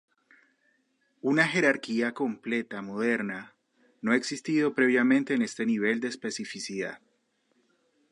Una jerarquía completa moderna, no ha existido previamente en este nivel de especificidad.